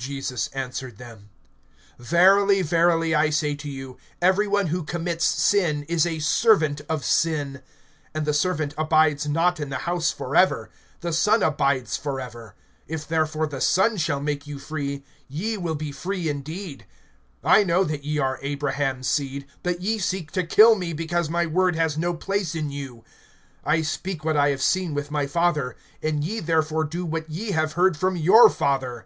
(34)Jesus answered them: Verily, verily, I say to you, every one who commits sin is a servant of sin. (35)And the servant abides not in the house forever. (36)The Son abides forever; if therefore the Son shall make you free, ye will be free indeed. (37)I know that ye are Abraham's seed; but ye seek to kill me, because my word has no place in you. (38)I speak what I have seen with my Father; and ye therefore do what ye have heard from your father.